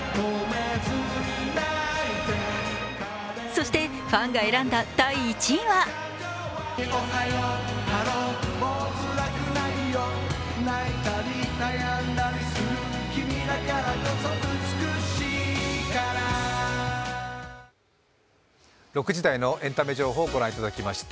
そして、ファンが選んだ第１位は６時台のエンタメ情報をご覧いただきました。